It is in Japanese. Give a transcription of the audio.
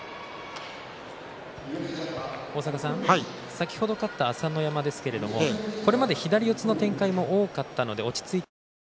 先ほど勝った朝乃山ですがこれまで左四つの展開が多かったので落ち着いていけた。